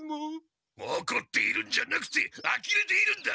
おこっているんじゃなくてあきれているんだ！